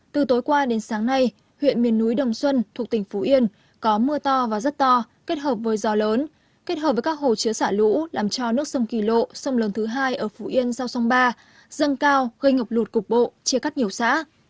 từ tối qua đến sáng nay huyện miền núi đồng xuân thuộc tỉnh phú yên có mưa to và rất to kết hợp với gió lớn kết hợp với các hồ chứa xả lũ làm cho nước sông kỳ lộ sông lớn thứ hai ở phú yên sau sông ba dâng cao gây ngập lụt cục bộ chia cắt nhiều xã